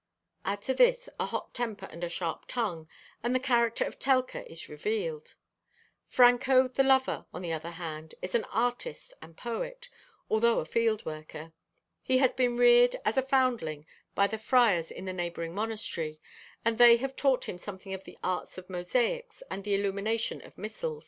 Add to this a hot temper and a sharp tongue, and the character of Telka is revealed. Franco, the lover, on the other hand, is an artist and poet, although a field worker. He has been reared, as a foundling, by the friars in the neighboring monastery, and they have taught him something of the arts of mosaics and the illumination of missals.